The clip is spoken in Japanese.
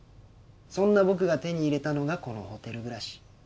そんな僕が手に入れたのがこのホテル暮らし。